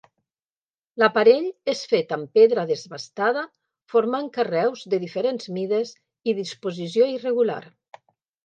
L'aparell és fet amb pedra desbastada formant carreus de diferents mides i disposició irregular.